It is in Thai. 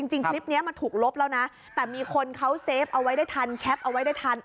จริงคลิปนี้มันถูกลบแล้วนะแต่มีคนเขาเซฟเอาไว้ได้ทันแคปเอาไว้ได้ทัน